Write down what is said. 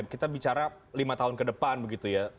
kita bicara lima tahun ke depan begitu ya